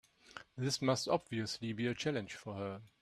This must obviously be a challenge for her.